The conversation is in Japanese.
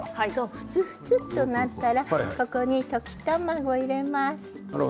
ふつふつとなったらここに溶き卵を入れます。